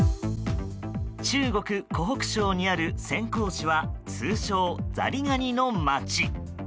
中国・湖北省にある潜江市は通称ザリガニの街。